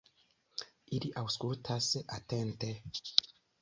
Ili aŭskultas atente.